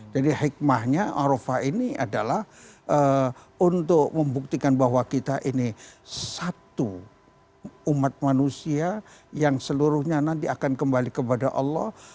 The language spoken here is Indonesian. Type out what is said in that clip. jadi hikmahnya arafah ini adalah untuk membuktikan bahwa kita ini satu umat manusia yang seluruhnya nanti akan kembali kepada allah